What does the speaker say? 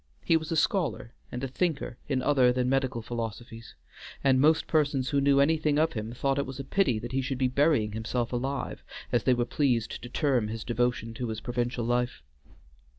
He was a scholar and a thinker in other than medical philosophies, and most persons who knew anything of him thought it a pity that he should be burying himself alive, as they were pleased to term his devotion to his provincial life.